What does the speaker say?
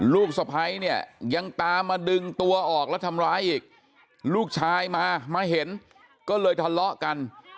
ลูกสะพ้ายเนี่ยยังตามมาดึงตัวออกแล้วทำร้ายอีกลูกชายมามาเห็นก็เลยทะเลาะกัน